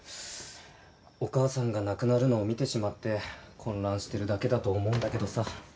お母さんが亡くなるのを見てしまって混乱してるだけだと思うんだけどさ。